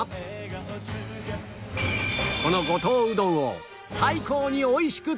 この五島うどんを最高に美味しく食べる